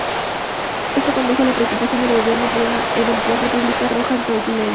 Esto condujo a la preocupación del gobierno por una eventual "República Roja" en Toulouse.